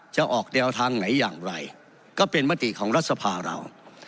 จะออกแนวทางไหนอย่างไรก็เป็นมติของรัฐสภาเรา